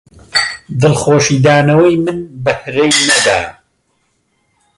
دڵخۆشی دانەوەی من بەهرەی نەدا